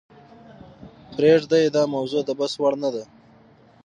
پریږده یې داموضوع دبحث وړ نه ده .